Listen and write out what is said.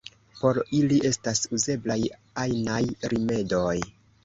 Por ili estas uzeblaj ajnaj rimedoj.